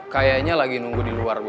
kayanya lagi nunggu di luar boy